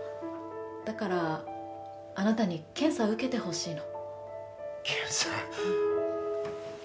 だから、あなたに検査を受けてほしいの。